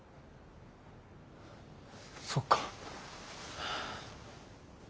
そっか。